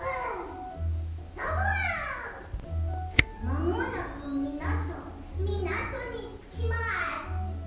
まもなくみなとみなとにつきます！